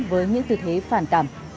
với những tư thế phản cảm